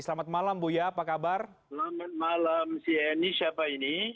selamat malam si eni siapa ini